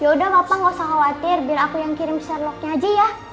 yaudah papa nggak usah khawatir biar aku yang kirim sherlocknya aja ya